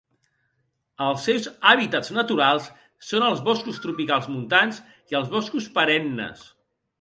Els seus hàbitats naturals són els boscos tropicals montans i els boscos perennes.